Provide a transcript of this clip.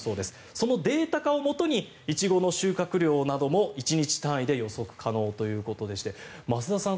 そのデータ化をもとにイチゴの収穫量なども１日単位で予測可能ということで増田さん